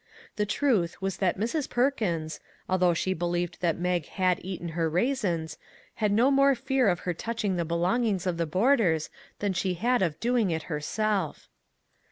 The truth was that Mrs. Perkins, although she believed that Mag had eaten her raisins, had no more fear of her touching the belongings of the boarders than she had of doing it herself.